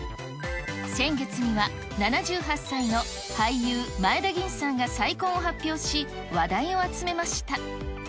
先月には、７８歳の俳優、前田吟さんが再婚を発表し、話題を集めました。